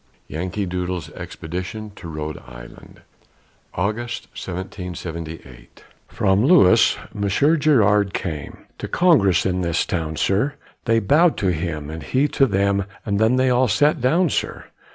YANKEE DOODLE'S EXPEDITION TO RHODE ISLAND [August, 1778] From Lewis, Monsieur Gérard came, To Congress in this town, sir, They bow'd to him, and he to them, And then they all sat down, sir.